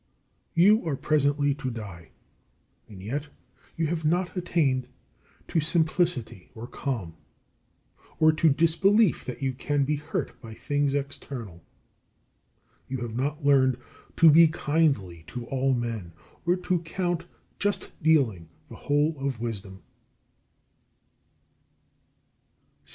37. You are presently to die, and yet you have not attained to simplicity or calm, or to disbelief that you can be hurt by things external. You have not learned to be kindly to all men, or to count just dealing the whole of wisdom.